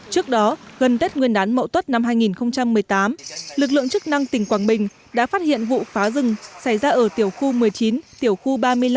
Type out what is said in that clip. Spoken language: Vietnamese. trước đó gần tết nguyên đán mậu tuất năm hai nghìn một mươi tám lực lượng chức năng tỉnh quảng bình đã phát hiện vụ phá rừng xảy ra ở tiểu khu một mươi chín tiểu khu ba mươi năm